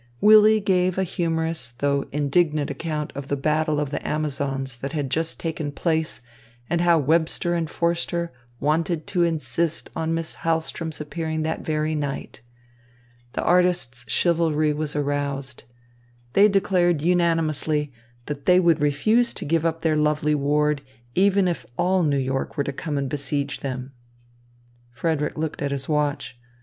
Willy gave a humorous, though indignant account of the battle of the Amazons that had just taken place and how Webster and Forster wanted to insist on Miss Hahlström's appearing that very night. The artists' chivalry was aroused. They declared unanimously that they would refuse to give up their lovely ward, even if all New York were to come and besiege them. Frederick looked at his watch.